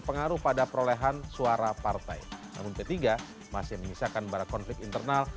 namun p tiga masih mengisahkan konflik internal